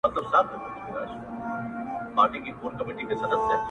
بگوت کيتا دې صرف دوو سترگو ته لوگی ـ لوگی سه_